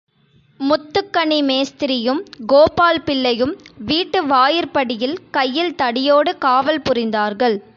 முத்துக்கன்னி மேஸ்திரியும், கோபால் பிள்ளையும் வீட்டு வாயிற் படியில் கையில் தடியோடு காவல் புரிந்தார்கள்.